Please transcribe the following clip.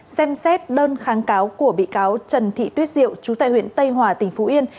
xem xét đơn kháng cáo của bị cáo trần thị tuyết diệu chú tại huyện tây hòa tỉnh phú yên